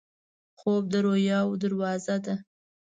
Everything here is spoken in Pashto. خوب د رویاوو دروازه ده